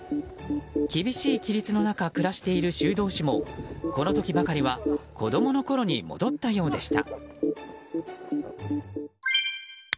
厳しい規律の中暮らしている修道士もこの時ばかりは子供のころに戻ったようでした。